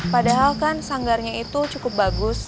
padahal kan sanggarnya itu cukup bagus